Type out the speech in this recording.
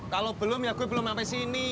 kalau belum ya gue belum sampai sini